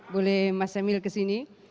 boleh mas emil kesini